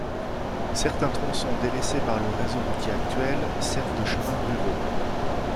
Certains tronçons délaissés par le réseau routier actuel, servent de chemins ruraux.